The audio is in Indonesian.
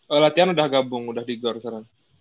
oh latihan udah gabung udah di gor sekarang